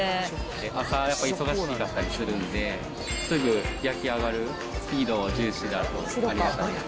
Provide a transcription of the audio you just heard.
朝、やっぱ忙しかったりするんで、すぐ焼き上がるスピード重視だとありがたいです。